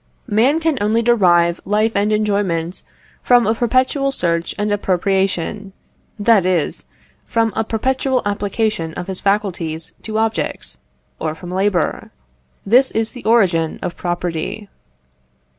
Man can only derive life and enjoyment from a perpetual search and appropriation; that is, from a perpetual application of his faculties to objects, or from labour. This is the origin of property.